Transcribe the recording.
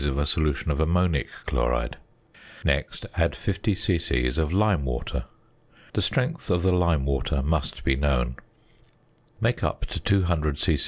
of a solution of ammonic chloride, next add 50 c.c. of lime water. The strength of the lime water must be known. Make up to 200 c.c.